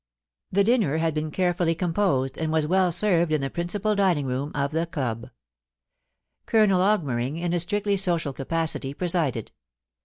The dinner had been carefully comp>osed, and was weD served in the principal dining room of the club. Colonel Augmering, in a strictly social capacity, presided.